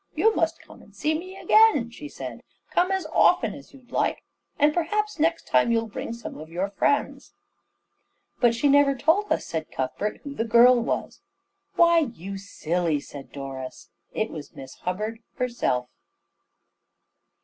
"You must come and see me again," she said. "Come as often as you like; and perhaps next time you'll bring some of your friends." "But she never told us," said Cuthbert, "who the girl was." "Why, you silly," said Doris, "it was Miss Hubbard herself."